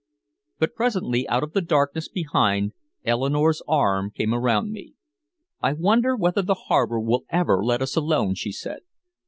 But presently out of the darkness behind, Eleanore's arm came around me. "I wonder whether the harbor will ever let us alone," she said.